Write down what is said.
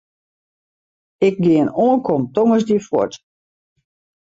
Ik gean ankom tongersdei fuort.